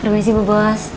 terima kasih bu bos